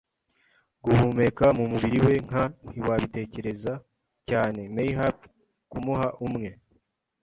guhumeka mumubiri we, nka - ntiwabitekereza cyane, mayhap, kumuha umwe